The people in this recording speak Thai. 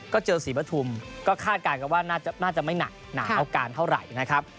ก็เจอศรีปฐุมก็คาดการณ์กันว่าน่าจะไม่หนักหนาเอาการเท่าไหร่นะครับ